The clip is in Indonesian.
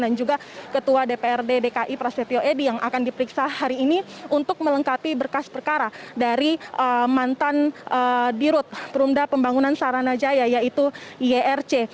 dan juga ketua dprd dki prasetyo edy yang akan diperiksa hari ini untuk melengkapi berkas perkara dari mantan dirut perumda pembangunan saranajaya yaitu yrc